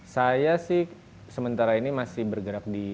saya sih sementara ini masih bergerak di